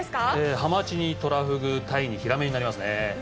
ハマチ、トラフグ、タイにヒラメになりますね。